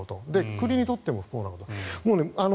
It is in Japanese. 国にとっても不幸なこと。